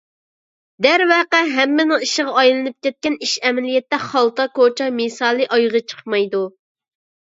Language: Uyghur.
دەرۋەقە ھەممىنىڭ ئىشىغا ئايلىنىپ كەتكەن ئىش ئەمەلىيەتتە خالتا كوچا مىسالى ئايىغى چىقمايدۇ.